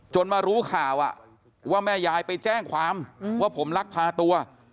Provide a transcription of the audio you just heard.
มารู้ข่าวว่าแม่ยายไปแจ้งความว่าผมลักพาตัว